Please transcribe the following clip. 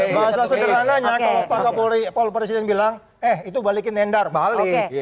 bahasa sederhananya kalau pak polri pol presiden bilang eh itu balikin nendar balik